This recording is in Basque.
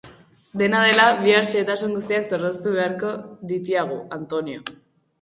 Dena dela, bihar xehetasun guztiak zorroztu beharko ditiagu, Antonio.